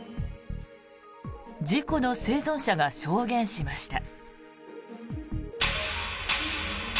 事故の生存者が証言しました。